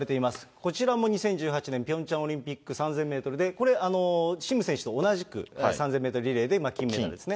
こちらも２０１８年、ピョンチャンオリンピック３０００メートルでこれ、シム選手と同じく、３０００メートルリレーで金メダルですね。